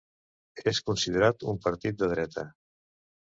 És considerat un partit de dreta.